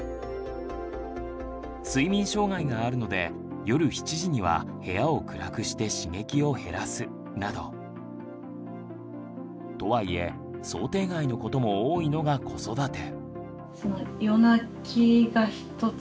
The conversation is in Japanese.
睡眠障害があるので夜７時には部屋を暗くして刺激を減らすなど。とはいえ想定外のことも多いのが子育て。